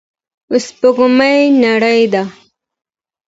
سپوږمۍ نرۍ ده.